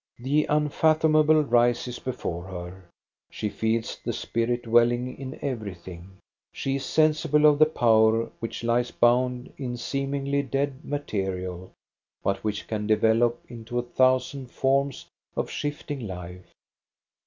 The unfathomable rises before her ; she feels the spirit dwelling in every AMOR VINCIT OMNIA 401 thing; she is sensible of the power which lies bound in seemingly dead material, but which can develop into a thousand forms of shifting life.